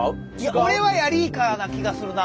俺はヤリイカな気がするな。